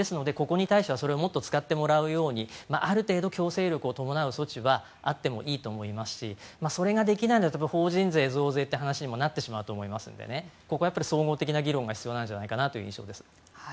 それをもっと使ってもらうようにある程度、強制力を伴う措置はあってもいいと思いますしそれができないんだったら法人税増税という話にもなってくると思いますのでここは総合的な議論が必要かなという印象です。